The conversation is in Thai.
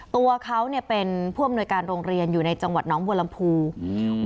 ตัวเขาเนี่ยเป็นผู้อำนวยการโรงเรียนอยู่ในจังหวัดน้องบัวลำพูอืม